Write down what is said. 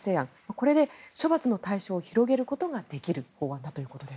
これで処罰の対象を広げることができる法案だということです。